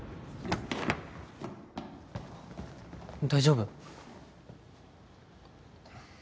大丈夫？